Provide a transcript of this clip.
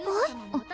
あっ。